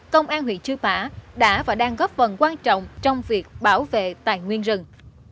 công an huyện chư mã đã và đang góp phần quan trọng trong việc bảo vệ tài nguyên rừng